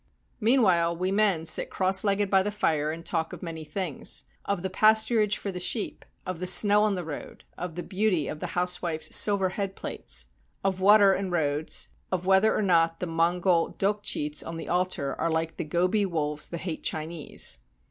Meanwhile we men sit cross legged by the fire and talk of many things, — of the pasturage for the sheep, of the snow on the road, of the beauty of the housewife's silver head plates, of water and roads, of whether or not the Mongol dokchits on the altar are like the Gobi wolves that hate Chinese.